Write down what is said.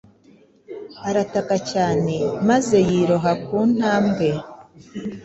Arataka cyane, maze yiroha ku ntambwe,